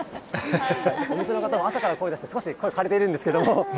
お店の方も朝から声を出して、少し声、かれているんですけれども。